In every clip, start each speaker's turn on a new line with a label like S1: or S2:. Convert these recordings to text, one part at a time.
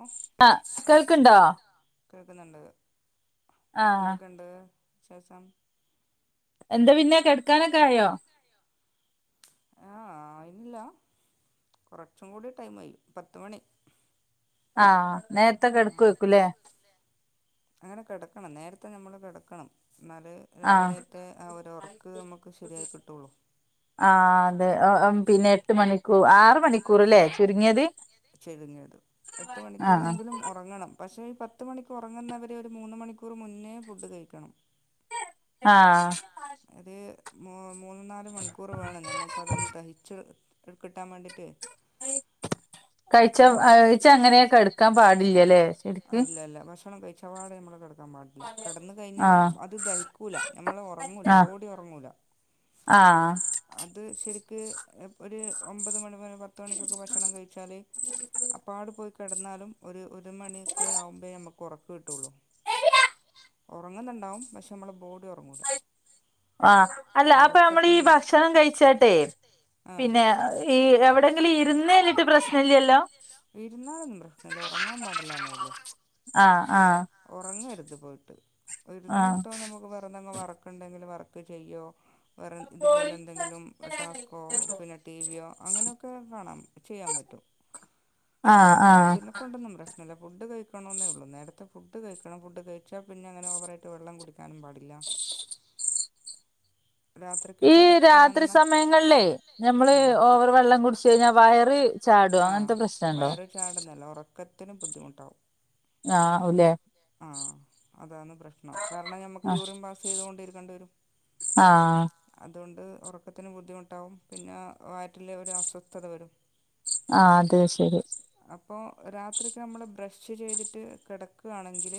S1: ഓ
S2: ആഹ് കേൾക്ണ്ടോ?
S1: കേക്ക്ന്ന്ണ്ട്
S2: ആ
S1: എന്തക്കെണ്ട് വിശേഷം?
S2: എന്താ പിന്നെ കെട്ക്കാനൊക്കായോ?
S1: ആഹ് ആ ഇല്ല കുറച്ചും കൂടി ടൈംമ് കയ്യും പത്തുമണി
S2: ആഹ് നേരത്തെ കെടക്കേക്കുല്ലേ
S1: അങ്ങനെ കെടക്കണം നേരത്തെ നമ്മള് കെടക്കണം ന്നാല്
S2: ആ
S1: രാവിലേത്തെ ആ ഒരൊർക്ക് അമ്മക്ക് ശരിയായി കിട്ടൊള്ളൂ
S2: ആഹ് അതെ അഹ് പിന്നെ എട്ട് മണിക്കൂ ആറ് മണിക്കൂറ്ലേ ചുരുങ്ങിയത്
S1: ചുരുങ്ങിയത് എട്ട്
S2: ആ
S1: മണിക്കൂറെങ്കിലും ഒറങ്ങണം പക്ഷേ ഇ പത്ത് മണിക്ക് ഒറങ്ങ്ന്നവര് മൂന്ന് മണിക്കൂറ് മുന്നേ ഫുഡ് കഴിക്കണം
S2: ആ
S1: അത് മു മൂന്ന് നാല് മണിക്കൂറ് വേണം ഞമ്മൾക്ക് അതൊന്ന് ദഹിച്ച് കിട്ടാൻ വേണ്ടിട്ട്
S2: കഴിച്ച
S1: അപ്പൊ
S2: കഴിച്ച അങ്ങനെ കെടക്കാൻ പാടില്ലല്ലേ ശരിക്ക്
S1: ഇല്ലല്ല ഭക്ഷണം കഴിച്ച പാടെ മ്മള് കെടക്കാപാടില്ല കെടന്ന്
S2: ആ
S1: കഴിഞ്ഞാഅത് ദഹിക്കൂല ഞമ്മള് ഒറങ്ങൂല ബോഡി ഒറങ്ങൂല
S2: ആഹ്
S1: അത് ശെരിക്ക് ഒര് ഒമ്പത് മണിപൊ പത്ത് മണിക്കൊക്കെ ഭക്ഷണം കഴിച്ചാല് അപ്പാട് പോയി കെടന്നാലും ഒര് ഒര് മണ്യോക്കെ ആവുമ്പേ ഞമ്മക്ക് ഒറക്ക് കിട്ടൊള്ളു. ഉറങ്ങുന്നുണ്ടാവും പക്ഷെ നമ്മള ബോഡി ഉറങ്ങൂല
S2: ആ അല്ല അപ്പൊ നമ്മൾ ഈ
S1: ഉറക്കത്തിന് ബുദ്ധി
S2: ഭക്ഷണം കഴിച്ചട്ടെ
S1: ആ
S2: പിന്നെ ഈ എവിടെയെങ്കിലും ഇരുന്നിട്ട് പ്രശ്നം ഇല്ലല്ലോ
S1: ഇരുന്നാലൊന്നും പ്രശ്നം ഇല്ല ഉറങ്ങാൻ പാടില്ലാന്നേ ഉള്ളൂ
S2: ആഹ് ആഹ്
S1: ഉറങ്ങരുത് പോയിട്ട്
S2: ആ
S1: ഇരുന്നിട്ടോ നമുക്ക് വെറ്തെങ്കി വർക്ക ക്ക ഉണ്ടെങ്കിൽ വർക്ക് ചെയ്യോ വേറെ ഇതുപോലെ എന്തെങ്കിലും ടാസ്ക്കോ പിന്നെ ടിവിയോ അങ്ങനെയൊക്കെ കാണാ ചെയ്യാൻ പറ്റും ആ
S2: ആഹ് ആഹ്
S1: ണ്ടൊന്നും പ്രശ്നല്ല ഫുഡ് കഴിക്കണ ഉള്ള നേരത്തെ ഫുഡ് കഴിക്കണം ഫുഡ് കഴിച്ചാ പിന്നെ അങ്ങനെ ഓവറായിട്ട് വെള്ളം കുടിക്ക ക്കാനും പാടില്ല രാത്രിക്ക്
S2: ഈ രാത്രി
S1: കിടക്കാന്ന
S2: സമയങ്ങളിലേ ഞമ്മള്
S1: ആഹ്
S2: ഓവർ വെള്ളം കുടിച്ച് കഴിഞ്ഞാൽ വയറ് ചാടും അങ്ങനത്തെ പ്രശ്നം ഉണ്ടോ
S1: ചാണ്ടടന്നല്ല ഉറക്കത്തിന് ബുദ്ധിമുട്ടാവും
S2: ആവുല്ലേ
S1: ആ അതാണ് പ്രശ്നം കാരണം ഞമ്മക്ക്
S2: ആഹ്
S1: യൂറിയൻ പാസ് ചെയ്ത് കൊണ്ടിരിക്കേണ്ടി വരും
S2: ആഹ്
S1: അതുകൊണ്ട് ഉറക്കത്തിന് ബുദ്ധിമുട്ടാവും പിന്നെ വയറ്റിലെ ഒരു അസ്വസ്ഥത വരും
S2: ആഹ് അത് ശരി
S1: അപ്പോ രാത്രിക്കെ നമ്മള് ബ്രഷ് ചെയ്തിട്ട് ട്ട് കിടക്കാണെങ്കിൽ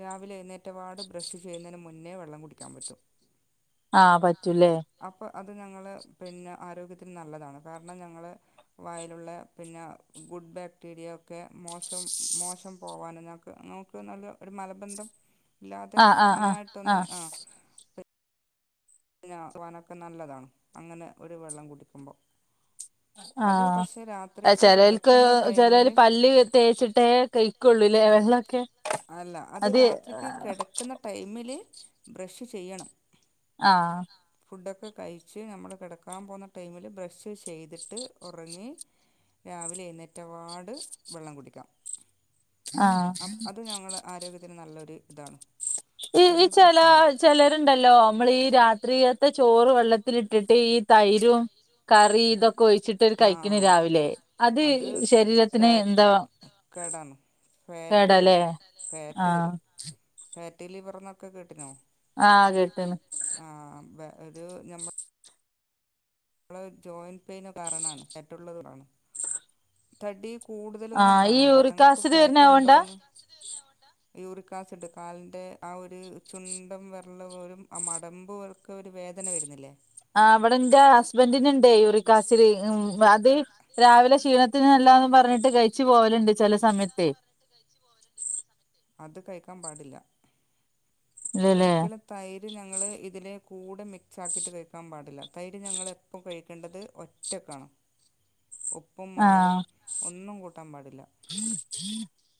S1: രാവിലെ എഴുന്നേറ്റപാട് ബ്രഷ് ചെയ്യുന്നതിന് മുന്നേ വെള്ളം കുടിക്കാൻ പറ്റും
S2: ആഹ് പറ്റൂലേ
S1: അപ്പൊ അത് ഞങ്ങള് പിന്നെ ആരോഗ്യത്തിന് നല്ലതാണ് കാരണം ഞങ്ങള് വായിലുള്ള പിന്നെ ഫുഡ് ബാക്ടീരിയ ഒക്കെ മോശം മോശം പോവാന ക്ക് നമുക്ക് നല്ല ഒരു മലബന്ധം ഇല്ലാതെ
S2: ആഹ് ആഹ്
S1: നന്നായിട്ടൊന്ന്
S2: ആഹ്
S1: ആ വാനൊക്കെ നല്ലതാണ് അങ്ങനെ ഒരു വെള്ളം കുടിക്കുമ്പോൾ അത് പക്ഷെ
S2: ആഹ
S1: രാത്രിക്ക്
S2: ചിലക്ക്
S1: കിടക്കുന്ന
S2: ചിലൽ
S1: ടൈമില്
S2: പല് തേച്ചിട്ടേ ക ക്കുള്ളൂല്ലേ വെള്ളൊക്കെ
S1: അല്ല അത് രാത്രിക്ക് കിടക്കുന്ന ടൈമിൽ ബ്രഷ് ചെയ്യണം
S2: ആഹ്
S1: ഫുഡൊക്കെ കഴിച്ച് നമ്മള് കിടക്കാൻ പോകുന്ന ടൈമില് ബ്രഷ് ചെയ്തിട്ട് ഉറങ്ങി രാവിലെ എഴുന്നേറ്റപാട് വെള്ളം കുടിക്കാം
S2: ആഹ്
S1: അതു ഞങ്ങള് ആരോഗ്യത്തിന് നല്ലൊരു ഇതാണ്
S2: ഈഈ
S1: അതിൽ
S2: ചില
S1: പ്രശ്നമില്ല
S2: ചിലരുണ്ടല്ലോ നമ്മൾ ഈ രാത്രിയത്തെ ചോറ് വെള്ളത്തിലിട്ട് ഇട്ടിട്ട് ഈ തൈരും കറി ഇതൊക്കെ ഒഴിച്ചിട്ട്
S1: ആ
S2: കഴിക്കണ രാവിലെ അത് ശരീരത്തിന് എന്താ
S1: കേടന്ന ഫാറ്റ്
S2: കേടല്ലേ
S1: വരും ഫേറ്റ്
S2: ആഹ്
S1: വരും ഫാറ്റി ലിവർ എന്നൊക്കെ കേട്ടിരുന്നോ
S2: ആഹ് കേട്ട്ണ്
S1: അത് നമ്മുടെ ജോയിന്റ് പെയിന് കാരണമാണ് തറ്റുള്ളതാണ് ത കൂടുതലൊന്നും
S2: ആഹ് ഈ
S1: കാണണ്ട ങ്ങക്ക്
S2: യൂറിക്കാസിഡ്
S1: ഫാറ്റ്
S2: വരുന്നാവോണ്ടാ
S1: ഉണ്ടോന്ന് യൂറിക് ആസിഡ് കാലിന്റെ ആഹ് ഒരു ചുണ്ടം വരൽ പോലും ആഹ് മടമ്പ് ഒക്കെ ഒരു വേദന വരുന്നില്ലേ
S2: ആഹ് അവിടെറെ ഹസ്ബൻറിുണ്ട് യുറിക്ക്സിട് ഉം അത് രാവിലെ ക്ഷീണത്തിനല്ലാന്ന് പറഞ്ഞിട്ട് കഴിച്ച ച്ച് പോലുണ്ട് ചില സമയത്ത്
S1: അത് കഴിക്കാൻ പാടില്ല
S2: ഇല്ലല്ലേ
S1: ഒരിക്കല തൈര് ഞങ്ങൾ ഇതിൽ കൂടെ മിക്സ് ആക്കിയിട്ട് കഴിക്കാൻ പാടില്ല തൈര് ഞങ്ങൾ എപ്പോൾ കഴിക്കേണ്ടത് ഒ ഒറ്റക്കാണ് ഉപ്പും മുളകും
S2: ആഹ്
S1: ഒന്നും കൂട്ടാൻ പാടില്ല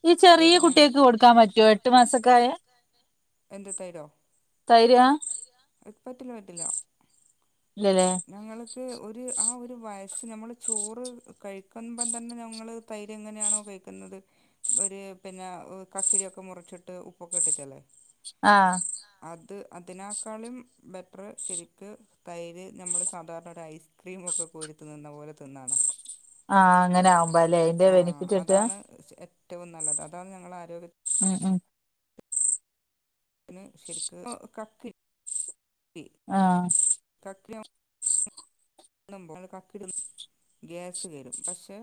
S2: ഈ ചെറിയ
S1: കേട് ഞ
S2: കുട്ടിയക്ക് കൊടുക്കാൻ പറ്റുവോ എട്ടു മാസക്കായ
S1: എന്ത് തൈരോ?
S2: തൈരാ ആഹ്
S1: പ്പത്തില്ട്ടില്ല
S2: ഇല്ലല്ലേ
S1: ഞങ്ങൾക്ക് ഒരു ആഹ് ഒരു വയസ്സ് നമ്മൾ ചോറ് കഴിക്കുമ്പം തന്നെ ഞങ്ങൾ തൈര് എങ്ങനെയാണോ കഴിക്കുന്നത് ഒരു പിന്നെ കക്കിരൊക്കെ മുറിച്ചിട്ട് ഉപ്പൊക്കെ ഇട്ടിട്ടല്ലേ
S2: ആഹ്
S1: അത് അതിനെക്കാളും ബെറ്റർ ശെരിക്ക് തൈര് നമ്മള് സാധാരണ ഒരു ഐസ്ക്രീമൊക്കെ കോരി തിന്ന്ന്ന പോലെ തിന്നാന്നാ
S2: ആഹ് അങ്ങനാവുമ്പോല്ലേ അയ്ന്റെ ബെനിഫിറ്റ്ട്ടാ
S1: അതാണ് ഏറ്റവും നല്ലത് അതാണ് ഞങ്ങളുടെ ആരോഗ്യത്തി-
S2: ഉം ഉം
S1: ശരിക്ക് കക്ക് ഇ
S2: ആഹ്
S1: കക്ക് [inaudible] [unintelligible] ഗ്യാസ് കേറും പക്ഷെ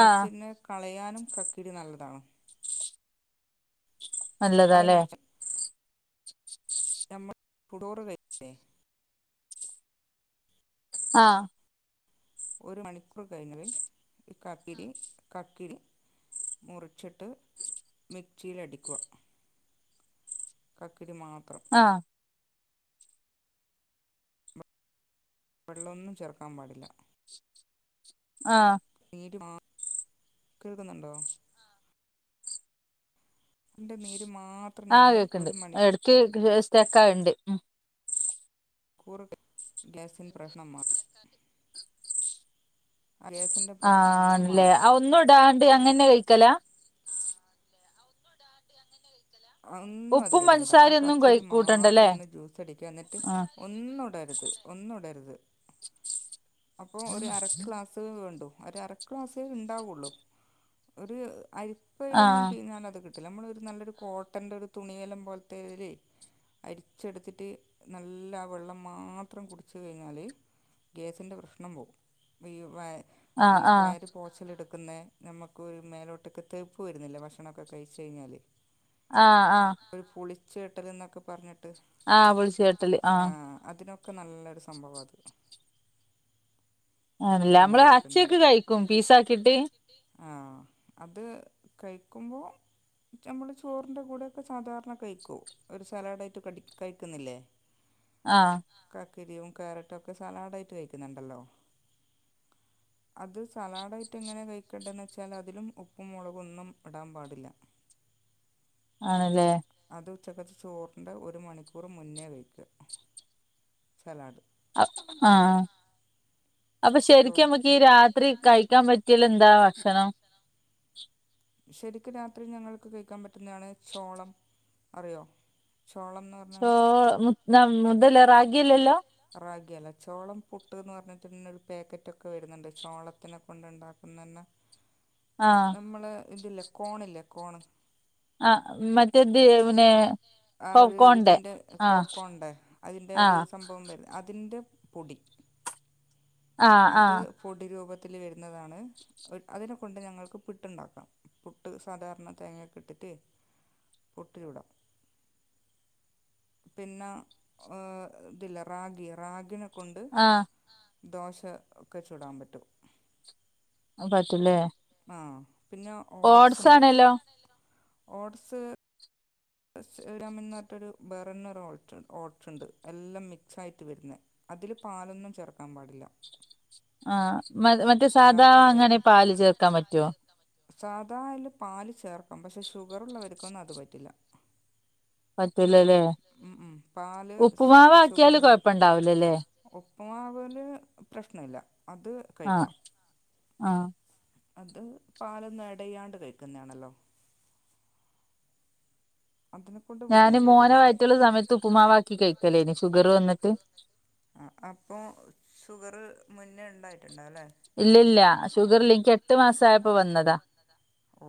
S2: ആഹ്
S1: കളയാനും കക്കിരി നല്ലതാണ്
S2: നല്ലതാല്ലേ
S1: അതെങ്ങനെയാ ഫടോറ് വേ
S2: ആഹ്
S1: ഒരു മണിക്കൂർ കഴിഞ്ഞൽ ഈ കക്കിരി കക്കിരി മുറിച്ചിട്ട് മിക്സിലടിക്കുക കക്കരി മാത്രം
S2: ആഹ്
S1: വെള്ളൊന്നും ചേർക്കാൻ പാടില്ല
S2: ആഹ്
S1: [unintelligible] കേൾക്കുന്നുണ്ടോ ന്റെ നീര് മാത്ര
S2: ആഹ് കേക്കണ്ട് ഇടക്ക് സ്റ്റെക്കാവ്ണ്ട് ഉം
S1: കുർ ഗ്യാസിൻ പ്രശ്നം മാ ഗ്യാസിൻ്റെ പ്രശ്നം അങ്ങനെ
S2: ആണല്ലേ
S1: മാറും
S2: ആഹ് ഒന്നും ഇടാണ്ട് അങ്ങന്നെ കഴിക്കലാ?
S1: ഒന്നുടാണ്ട് അങ്ങന്നെ കഴിക്കലാ ഒന്നും
S2: ഉപ്പും
S1: അതിലിടണ്ട ആഹ്
S2: പഞ്ചസാരൊന്നും കഴ
S1: കക്കിരി
S2: കൂട്ടണ്ടല്ലേ
S1: മാത്രം ഒന്ന് ജ്യൂസ് അടിക്കാ എന്നിട്ട്
S2: ആഹ്
S1: ഒന്നുടർത് ഒന്നുടർത് അപ്പൊ ഒരു അര ക്ലാസ് സേ വേണ്ടു ഒര് അരക്ലാസേ ഇണ്ടാവുള്ളൂ ഒരു ആഴ് ഇപ്പയ്ലൊന്നും
S2: ആഹ്
S1: പിഞ്ഞാൽ അത് കിട്ടില്ല നമ്മള ഒരു നല്ലൊരു കോട്ടന്റെ ഒരു തുണിയേല്ലാം പോലത്തെല് അരിച്ചെടുത്തിട്ട് നല്ല വെള്ളം മാത്രം കുടിച്ച് കഴിഞ്ഞാല് ൻ്റെ പ്രശ്നം പോകും ഈ വ
S2: ആഹ്
S1: ഈ
S2: ആഹ്
S1: വയറ പോച്ചിലെടുക്കുന്നെ നമുക്കൊരു മേലോട്ടൊക്കെ തേപ്പ് വരുന്നില്ല ഭക്ഷണമൊക്കെ കഴിച്ച് കഴിഞ്ഞാല്
S2: ആഹ് ആഹ്
S1: ഒരു പുളിച്ചീട്ടലെന്നൊക്കെ പറഞ്ഞിട്ട്
S2: ആഹ് പൊളിച്ചു തട്ടല് ആഹ്
S1: അതിനൊക്കെ ഒക്കെ നല്ലൊരു സംഭവാ അത്
S2: ആണ്ല്ലേ
S1: അങ്ങനെ
S2: നമ്മള്
S1: കഴിക്കുന്നത്
S2: അച്ചേക്ക് കഴിക്കും പീസാക്കിട്ട്
S1: ആഹ് അത് കഴിക്കുമ്പോ നമ്മൾ ചോറിൻ്റെ കൂടെക്കെ സാധാരണ കഴിക്കു ഒരു സാലാഡായിട്ട് കടി കഴിക്കുന്നില്ലേ
S2: ആഹ്
S1: കക്കിരിയും ക്യാരറ്റും ഒക്കെ സലാഡ് ആയിട്ട് കഴിക്കുന്നുണ്ടല്ലോ അത് സലാഡായിട്ട എങ്ങനെ കഴിക്കണ്ടെന്ന വെച്ചാൽ അതിലും ഉപ്പും മുളകൊന്നും ഇടാൻ പാടില്ല [inaudible]
S2: ആണല്ലേ
S1: അത് ഉച്ചക്കത്ത് ചോറിന്റ ഒരു മണിക്കൂർ മുന്നേ കഴിക്കുക സലാഡ്
S2: ആഹ് അപ്പൊ
S1: ചോ
S2: ശരിക്കും നമ്മക്ക് ഈ രാത്രി കഴിക്കാൻ പറ്റിയ്യ ഉള്ള എന്താ ഭക്ഷണം
S1: ശരിക്കും രാത്രി ഞങ്ങൾക്ക് കഴിക്കാൻ പറ്റുന്നതാണ് ചോളം അറിയോ ചോളം
S2: ചോ മു ന മുതല റാഗിയലെല്ലോ
S1: റാഗി അല്ല ചോളം പുട്ട് എന്ന് പറഞ്ഞിട്ടുന്നെ ഒരു പാക്കറ്റൊക്കെ വരുന്നുണ്ട് ചോളത്തിനെ കൊണ്ട ഉണ്ടാക്കുന്ന തന്നെ
S2: ആഹ്
S1: നമ്മള് ഇതില്ല കോണില്ലേ കോൺ
S2: ആഹ് മറ്റേത് പിന്നെ
S1: ആഹ് ഒരു
S2: പോപ്കോൺന്റെ
S1: ഇതിന്റെ
S2: ആഹ്
S1: പോപ്പ് കോൺന്റ അതിന്റെ ഒരു
S2: ആഹ്
S1: സംഭവം വരുന്നത് അതിൻ്റെ പൊടി
S2: ആഹ്
S1: അത്
S2: ആഹ്
S1: പോടീ രൂപത്തിൽ വരുന്നതാണ് അതിനെ കൊണ്ട് ഞങ്ങൾക്ക് പുട്ടുണ്ടാക്കാം പുട്ട് സാധാരണ തേങ്ങൊക്കെ ഇട്ടിട്ട് പുട്ട് ചൂടാം പിന്നെ ഇതില്ല റാഗി റാഗിനെ കൊണ്ട് ദോശ ഒക്കെ ചൂടാൻ പറ്റും
S2: അത് പറ്റും ല്ലേ
S1: ആഹ് പിന്നെ ഓട്സ് ഉണ്ട്
S2: ആണല്ലോ
S1: ഓട്സ് റമിൻന്ന് പറഞ്ഞിട്ടൊരു വേറെതന്നെ ഓട് ഇണ്ട് ഓട്സ് ഉണ്ട് എല്ലാം മിക്സ്‌ ആയിട്ട് വരുന്നേ അതില് പാലൊന്നും ചേർക്കാൻ പാടില്ല
S2: ആഹ് മ മറ്റേ സാധാ
S1: രാത്രി
S2: അങ്ങനെ പാല് ചേർക്കാൻ പറ്റുവോ
S1: സാധാല് പാല് ചേർക്കാം പക്ഷെ ഷുഗറുള്ള എടുക്കന്നും അത് പറ്റില്ല
S2: പറ്റുലല്ലേ
S1: ഉം ഉം പാല് ഷുഗറി
S2: കൊഴപ്പണ്ടാവൂലല്ലേ
S1: ഉപ്പ്മാവല് പ്രശ്നമില്ല അത്
S2: ആഹ്
S1: കഴിക്കാം
S2: ആഹ്
S1: അത് പാലൊന്നും ആഡ് ചെയ്യണ്ട കഴിക്കുന്നതാണല്ലോ അതിന്
S2: ഞാന് മോനെ വയറ്റിൽ ഉള്ള സമയത്ത് ഉപ്പുമാവക്കി കഴിക്കലേനി ഷുഗർ വന്നിട്ട്
S1: ആഹ് അപ്പോൾ ഷുഗറ് മുന്നേ ഉണ്ടായിട്ടുണ്ടാവല്ലേ
S2: ഇല്ല ഇല്ല ഷുഗർ ഇല്ലെനിക് എട്ട് മാസം ആയപ്പോ വന്നതാ
S1: ഓ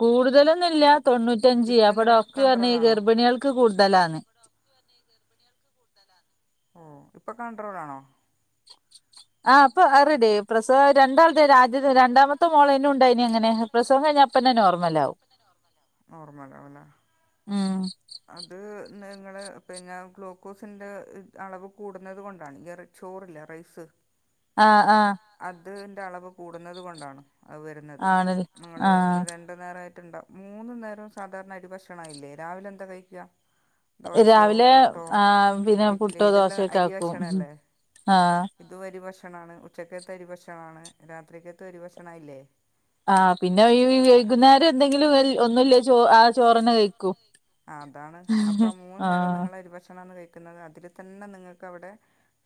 S2: കൂടുതലൊന്നുമില്ല തൊണ്ണൂറ്റഞ്ച് അപ്പോ
S1: എങ്ങനെ
S2: ഡോക്ടർ പറഞ്ഞ് ഈ ഗർഭിണികൾക്ക് കൂടുതലാണ്
S1: ഡോക്ട്ർ പറ്ഞ് ഗർഭിണിൾക്ക് കൂടുതലാ ഓ ഇപ്പൊ കൺട്രോളാണോ?
S2: ആഹ് അപ്പൊ അഹ് റടി. പ്രസവം രണ്ടാൾതെ രാജ്യ രണ്ടാമത്തെ മോളേനും ഉണ്ടായിനി അങ്ങനെ പ്രസവം കഴിഞ്ഞാപ്പന്നെ നോർമലാവും.
S1: നോർമലാവുംല്ലേ.
S2: ഉം.
S1: അത് നിങ്ങൾ പിന്നെ ഗ്ലൂക്കോസി്ന്റെ അളവ് കൂടുന്നത് കൊണ്ടാണ് ഇ ചോറില്ലേ റൈസ്.
S2: ആഹ് ആഹ്.
S1: അത് ന്റെ അളവ് കൂടുന്നത് കൊണ്ടാണ് അത് വരുന്നത്
S2: ആണല്ലേ
S1: നിങ്ങൾ
S2: ആഹ്
S1: ര രണ്ട് നേര ആയിട്ടുണ്ട മൂന്നു നേരവും സാധാരണ അരി ഭക്ഷണായില്ലേ രാവിലെ എന്താ കഴിക്കാ? ദോശയോ
S2: രാവിലെ
S1: പുട്ടോ
S2: ആ പിന്നെ
S1: ഇഡ്ലി
S2: പുട്ടോ
S1: ഇതെല്ലാം
S2: ദോശയൊക്കെ ആക്കും
S1: അരിവക്ഷണ അല്ലേ?
S2: ആ
S1: ഇത് വരി ഭക്ഷണാണ് ഉച്ചക്കത്ത് അരി ഭക്ഷണാണ് രാത്രിക്കത്ത് അരി ഭക്ഷണംല്ലേ?
S2: ആ പിന്നെ ഈ വൈകുന്നേരം എന്തെങ്കിലും ഒന്നുല്ലേ ചോ ആ ചോറനെ കഴിക്കൂം.
S1: ആഹ് അതാണ് അപ്പോം മൂന്ന് നേരം നിങ്ങളരിഭക്ഷണാണ് കഴിക്ക ക്ക്ന്നത് അതിൽ തന്നെ നിങ്ങൾക്ക് അവ്ടെ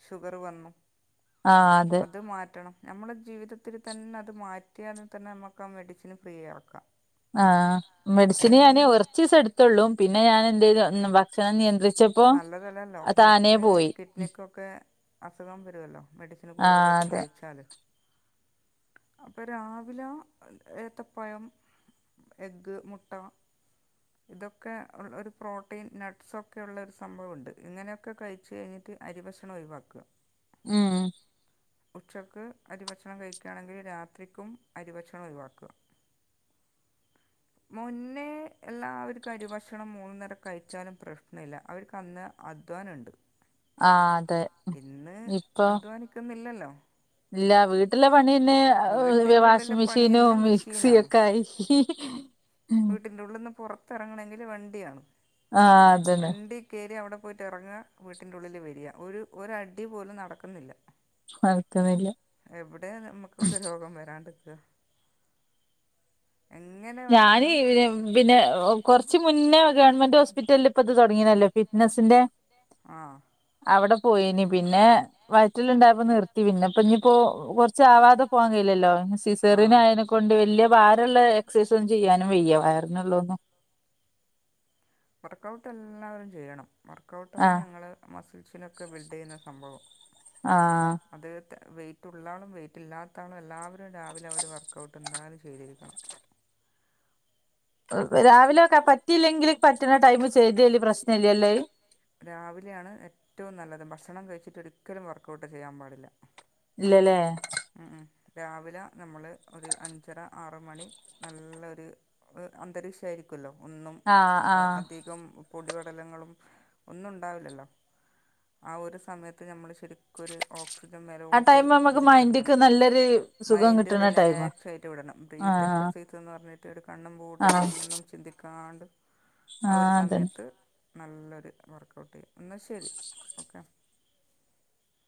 S1: ഷുഗർ വന്നു
S2: ആ അതെ
S1: അത് മാറ്റണം. നമ്മളെ ജീവിതത്തിൽ തന്നെ അത് മാറ്റിയാൽ തന്നെ നമുക്ക് ആഹ് മെഡിസിൻ ഫ്രീ ആക്കാം.
S2: ആഹ് മെഡിസിന് ഞാന്
S1: പിന്നെ
S2: ഉറച്ചീസം എട്ത്തുള്ളൂ പിന്നെ ഞാൻ എന്തൈത് ഭക്ഷണം നിയന്ത്രി
S1: നല്ലതല്ലല്ലോ മെഡിസിന് കിഡ്നിക്കൊക്കെ അസുഖം വരുവല്ലോ മെഡിസിന്
S2: ആ
S1: കൂടുതലായിട്ട്
S2: അതെ
S1: കഴിച്ചാല്. അപ്പൊ രാവിലെ ഏത്തപഴം. എഗ്ഗ്, മുട്ട. ഇതൊക്കെ ഒരു പ്രോട്ടീൻ നട്ട്സൊക്കെ ഉള്ളരു സംഭവുണ്ട് ഇങ്ങനെയൊക്കെ കഴിച്ച് ഴിഞ്ഞിട്ട് അരി ഭക്ഷണം ഒഴിവാക്കാ.
S2: മ്മ്.
S1: ഉച്ചക്ക് അരിഭക്ഷണം കഴിക്കാ ണെങ്കിൽ രാത്രിക്കും അരിഭക്ഷണം ഒഴിവാക്ക്. [inaudible] മുന്നേ എല്ലാവർക്കും അരിഭക്ഷണം മൂന്നേരം കഴിച്ചാലും പ്രശ്ന ഇല്ല. അവർക്ക് അന്ന് അധ്വാനുണ്ട്
S2: ആ അതെ
S1: ആഹ് ഇന്ന് അധ്വാനി ട്ടുന്നില്ലല്ലോ.
S2: ഇല്ലാ. വീട്ടിലെ പണിന്നെ ഒ
S1: വീട്ടിൻ്റെ ഉള്ളിലെ പണി തന്നെ
S2: വാഷ്മിഷീനും മിക്സി
S1: മെഷീനാണ്
S2: ഒക്കെ ആയി. ഉം.
S1: ഉള്ള്ന്ന് പെറത്ത്റ്ങ്ങണെങ്കിൽ വണ്ടി യാണം
S2: ആ
S1: ആഹ്
S2: അതന്നെ
S1: വണ്ടി. കേറി അവിടെ പോയിട്ട് ഇറങ്ങ വീട്ടിന്റു ഉള്ളിൽ വരിയ ഒരു ഒരഅടി പോലും നടക്ന്നില്ല.
S2: നട്ക്ക്ണില്ല.
S1: എവിടെ നമ്മുക്ക് ഒക്കെ രോഗം വരാണ്ട്ക്കാ. എങ്ങനെ.
S2: ഞാന്
S1: വന്നാലും
S2: [unintelligible] പിന്നെ കൊറ്ച്ച് മുന്നേ ഗവൺമെന്റ് ഹോസ്പിറ്റലിൽ ഇപ്പ ഇത് തുടങ്ങി നല്ലോ ഫിറ്റ്നസിന്റെ
S1: ആഹ്.
S2: അവിടെ പോയിനി പിന്നെ വയറ്റില ണ്ടായ്പ നിർത്തി പിന്നെപ്പ ഇഞ്ഞ്പ്പോ ചാവാതെ പോവാൻ കയില്ലല്ലോ
S1: ആ
S2: സിസേറിനായേനെ കൊണ്ട് വലിയ ഭാരള്ള എക്സൈസും ചെയ്യാനും വയ്യ വയറിനുള്ളന്നും.
S1: വർക്കൗട്ട് എല്ലാവരും ചെയ്യണം. വർക്കൗട്ടാണ്
S2: ആഹ്
S1: ഞങ്ങൾ മസിൽസിനൊക്കെ ബിൽഡ്യ്യുന്ന സംഭവം.
S2: ആഹ്
S1: അത് ത് വൈറ്റൂളള ആളും വൈയിറ്റ് ഇല്ലാത്ത ആളും എല്ലാവരും രാവിലെ അവർ വർക്കൗട്ട് എന്താലും ചെയ്തിരിക്കണം.
S2: രാവിലെക്കെ പറ്റിയില്ലെങ്കിൽ പറ്റ്ണ ടൈമ് ചെയ്തേല്യ പ്രശ്നഇല്ലല്ലേ അത്.
S1: രാവിലെയാണ് ഏറ്റവും നല്ലത് ഭഷണം കഴിച്ചിട്ട് ഒരിക്കലും വർക്കൗട്ട് ചെയ്യാൻ പാടില്ല.
S2: ഇല്ലലെ.
S1: മ് ഹ് രാവിലെ നമ്മൾ ഒരു അഞ്ചര ആറ് മണി നല്ലൊര് ഒഹ് അന്തരീക്ഷയിരിക്കുല്ലോ ഒന്നും
S2: ആഹ്
S1: വൊ
S2: ആഹ്
S1: അതി ലും പൊടിവടലങ്ങളും ഒന്നു ഉണ്ടാവില്ലല്ലോ ആഹ് ഒരു സമയത്ത് നമ്മള് ശരിക്കും ഒരു ഓക്സിജൻ
S2: ആ
S1: മേലോട്ട്
S2: ടൈം നമ്മുക്ക്
S1: വലിച്ചെടും
S2: മൈൻഡ്ക്ക് നല്ലൊരു സുഖം
S1: മൈൻഡ്
S2: കിട്ടണ ടൈമാ
S1: റിലാക്സയിട്ട് വിടണം
S2: ആഹ്
S1: ബ്രീത്ത്
S2: ആഹ്
S1: എക്സസൈസ് എന്ന് പറഞ്ഞിട്ട് രു കണ്ണും പൂട്ടിട്ട് ഒ
S2: ആഹ്
S1: ന്നും ചിന്തിക്കാണ്ട് ആ ഒരു
S2: അതന്നെ
S1: സമയത്ത് നല്ലൊരു വർക്കൗട്ടെയും ന്നാ ശരി ഓക്കെ